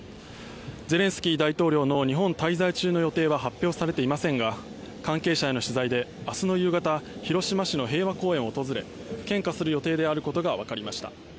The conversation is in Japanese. ゼレンスキー大統領の日本滞在中の予定は発表されていませんが関係者への取材で明日の夕方広島市の平和公園を訪れ献花する予定であることがわかりました。